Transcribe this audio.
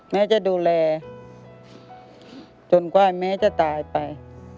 แม่จะดูแลจนกว่าแม้จะตายไป